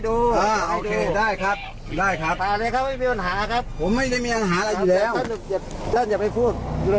เด้นอย่าไปพูดเลย